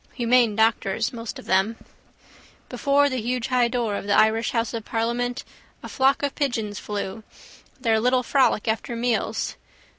Humane doctors, most of them. Before the huge high door of the Irish house of parliament a flock of pigeons flew. Their little frolic after meals.